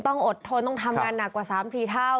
ต้องอดทนต้องทำงานหนักกว่า๓๔เท่า